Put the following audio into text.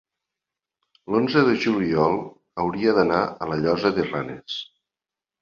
L'onze de juliol hauria d'anar a la Llosa de Ranes.